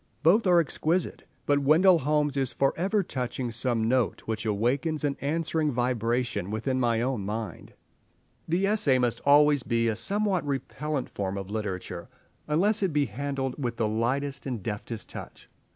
Both are exquisite, but Wendell Holmes is for ever touching some note which awakens an answering vibration within my own mind. The essay must always be a somewhat repellent form of literature, unless it be handled with the lightest and deftest touch.